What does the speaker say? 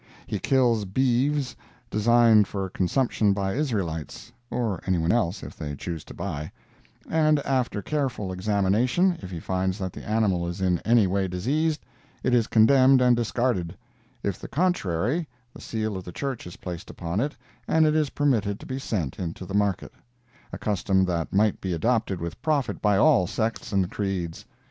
He kills beeves designed for consumption by Israelites, (or anyone else, if they choose to buy), and after careful examination, if he finds that the animal is in any way diseased, it is condemned and discarded; if the contrary, the seal of the Church is placed upon it, and it is permitted to be sent into the market—a custom that might be adopted with profit by all sects and creeds.